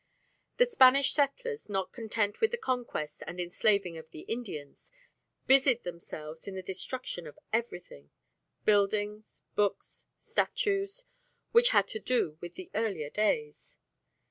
The Spanish settlers, not content with the conquest and enslaving of the Indians, busied themselves in the destruction of everything buildings, books, statues which had to do with earlier days.